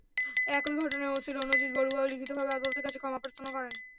একই ঘটনায় ওসি রণজিৎ বড়ুয়াও লিখিতভাবে আদালতের কাছে ক্ষমা প্রার্থনা করেন।